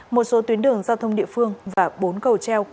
một số tuyến đường giao thông địa phương và bốn cầu treo